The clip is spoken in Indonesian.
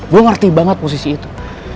gue ngerti banget posisi itu